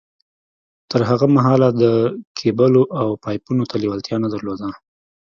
تر هغه مهاله ده کېبلو او پایپونو ته لېوالتیا نه در لوده